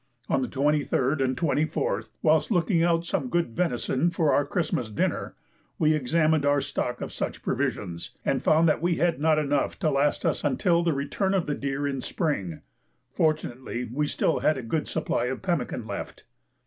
On the 23rd and 24th, whilst looking out some good venison for our Christmas dinner, we examined our stock of such provisions, and found that we had not enough to last us until the return of the deer in spring; fortunately we had still a good supply of pemmican left.